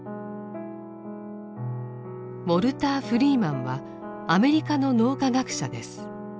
ウォルター・フリーマンはアメリカの脳科学者です。